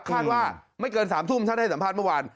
คาดว่าไม่เกิน๓ทุ่มท่านให้สัมภาษณ์เมื่อวาน